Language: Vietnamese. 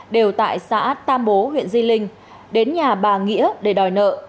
đều tại xã tam bố huyện di linh đến nhà bà nghĩa để đòi nợ